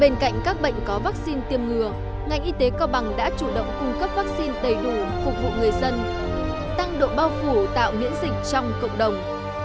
bên cạnh các bệnh có vắc xin tiêm ngừa ngành y tế cao bằng đã chủ động cung cấp vắc xin đầy đủ phục vụ người dân tăng độ bao phủ tạo miễn dịch trong cộng đồng